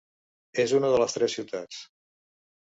És una de les Tres Ciutats.